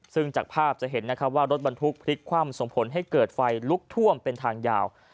ซึ่งจากภาพจะเห็นนะครับว่ารถบรรทุกพลิกคว่ำส่งผลให้เกิดไฟลุกท่วมเป็นทางยาว